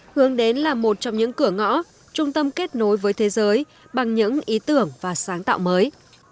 hướng đến là một trong những cửa ngõ trung tâm kết nối với thế giới bằng những ý tưởng và sáng tạo mới